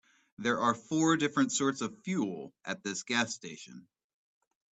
There are four different sorts of fuel at this gas station.